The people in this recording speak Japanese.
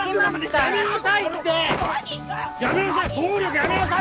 やめなさい！